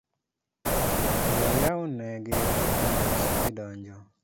Dhii iyawnegi rangach gidonji